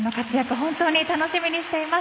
本当に楽しみにしています。